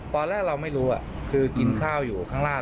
ตอนแรกเราไม่รู้คือกินข้าวอยู่ข้างล่าง